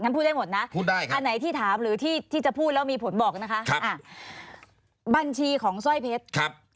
อ่ะงั้นพูดได้หมดนะอันไหนที่ถามหรือที่จะพูดแล้วมีผลบอกนะคะอ่ะบัญชีของสร้อยเพชร